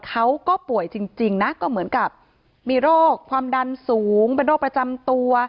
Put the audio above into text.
เขาก็ป่วยจริงนะก็เหมือนกับมีโรคความดันสูงเป็นโรคประจำตัว